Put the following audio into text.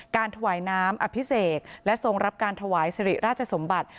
ถวายน้ำอภิเษกและทรงรับการถวายสิริราชสมบัติ